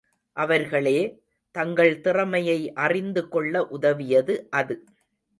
அவர்களே, தங்கள் திறமையை அறிந்து, கொள்ள உதவியது, அது.